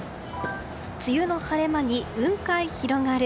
梅雨の晴れ間に雲海広がる。